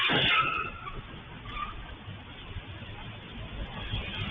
สวัสดีครับทุกคน